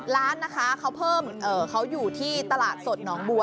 ร้านนะคะเขาเพิ่มเขาอยู่ที่ตลาดสดหนองบัว